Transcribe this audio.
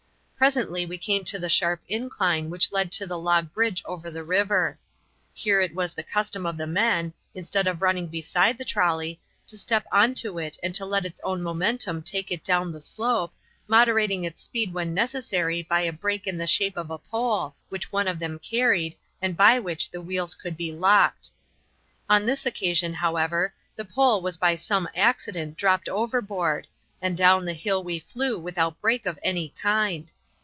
Presently we came to the sharp incline which led to the log bridge over the river. Here it was the custom of the men, instead of running beside the trolley, to step on to it and to let its own momentum take it down the slope, moderating its speed when necessary by a brake in the shape of a pole, which one of them carried and by which the wheels could be locked. On this occasion, however, the pole was by some accident dropped overboard, and down the hill we flew without brake of any kind.